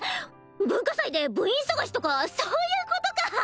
文化祭で部員探しとかそういうことか！